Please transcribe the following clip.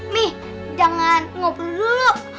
mie jangan ngobrol dulu